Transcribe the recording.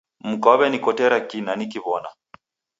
Mka waw'enikotera kina nikiw'ona.